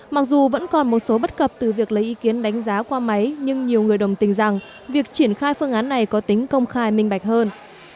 mặc dù vẫn còn một số bất cập từ việc lấy ý kiến đánh giá qua máy nhưng nhiều người đồng tình rằng việc triển khai phương án này có tính công khai minh bạch hơn